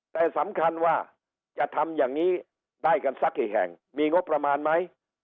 แต่สำคัญว่าจะทำอย่างนี้ได้กันสักกี่แห่งมีงบประมาณไหม